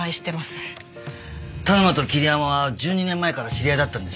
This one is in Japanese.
田沼と桐山は１２年前から知り合いだったんです。